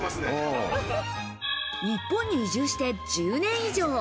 日本に移住して１０年以上。